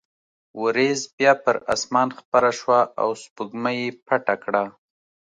وریځ بیا پر اسمان خپره شوه او سپوږمۍ یې پټه کړه.